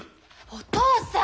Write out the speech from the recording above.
お父さん！